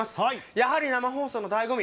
やはり生放送のだいご味